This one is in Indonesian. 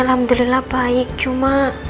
alhamdulillah baik cuma